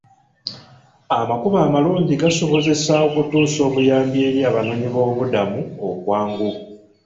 Amakubo amalungi gasobozesa okutuusa obuyambi eri abanoonyiboobubuddamu okwangu.